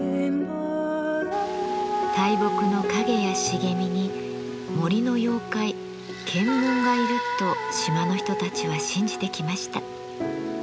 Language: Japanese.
大木の陰や茂みに森の妖怪・ケンムンがいると島の人たちは信じてきました。